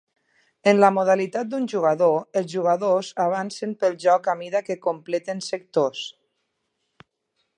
En la modalitat d'un jugador, els jugadors avancen pel joc a mida que completen sectors.